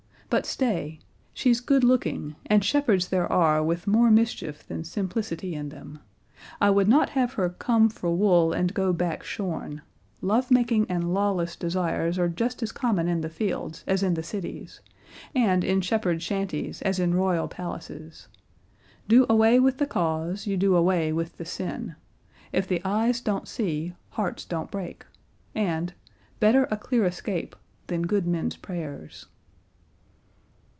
But stay she's good looking, and shepherds there are with more mischief than simplicity in them; I would not have her 'come for wool and go back shorn;' love making and lawless desires are just as common in the fields as in the cities, and in shepherds' shanties as in royal palaces; 'do away with the cause, you do away with the sin;' 'if eyes don't see hearts don't break' and 'better a clear escape than good men's prayers.